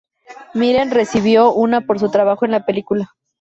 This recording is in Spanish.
Mirren recibió una por su trabajo en la película.